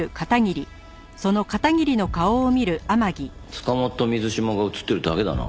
捕まった水島が映ってるだけだな。